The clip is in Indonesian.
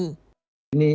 ini saran saja